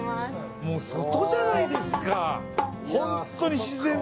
もう外じゃないですか。